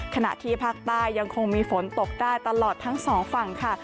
ขณะที่ภาคใต้ยังคงมีฝนตกได้ตลอดทั้งสองฝั่งค่ะ